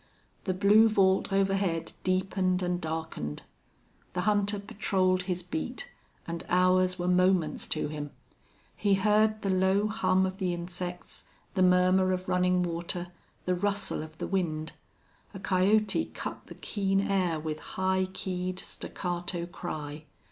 The blue vault overhead deepened and darkened. The hunter patrolled his beat, and hours were moments to him. He heard the low hum of the insects, the murmur of running water, the rustle of the wind. A coyote cut the keen air with high keyed, staccato cry.